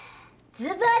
ずばり！